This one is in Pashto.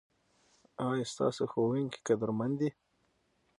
ایا ستاسو ښوونکي قدرمن دي؟